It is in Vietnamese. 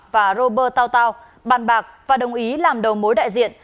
và robert tao tao bàn bạc và đồng ý làm đầu mối đại diện